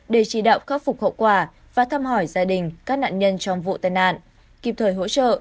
để chỉ đạo khắc phục hậu quả và thăm hỏi gia đình các nạn nhân trong vụ tai nạn kịp thời hỗ trợ